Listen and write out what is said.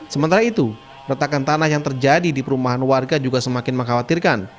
sementara itu retakan tanah yang terjadi di perumahan warga juga semakin mengkhawatirkan